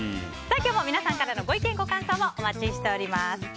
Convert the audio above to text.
本日も皆さんからのご意見ご感想をお待ちしております。